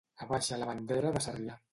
Abaixa la bandera de Sarrià.